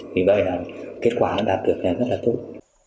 vì vậy là kết quả đạt được rất là tốt